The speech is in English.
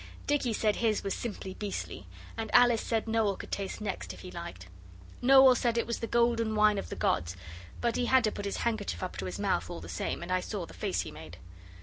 Dicky said his was simply beastly, and Alice said Noel could taste next if he liked. Noel said it was the golden wine of the gods, but he had to put his handkerchief up to his mouth all the same, and I saw the face he made.